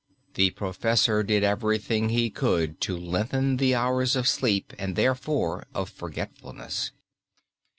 The professor did everything he could to lengthen the hours of sleep, and therefore of forgetfulness.